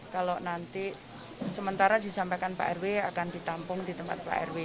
kalau nanti sementara disampaikan pak rw akan ditampung di tempat pak rw